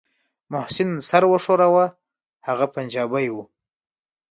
محسن سر وښوراوه هغه پنجابى و.